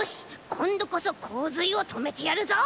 こんどこそこうずいをとめてやるぞ！